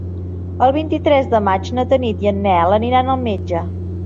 El vint-i-tres de maig na Tanit i en Nel aniran al metge.